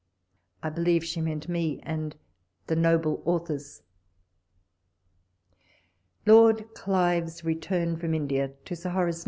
I believe she meant im: and the Noble Authors. LOIiD CLlVrS nETt'Ry FliOM IXDIA. To Sir Hor.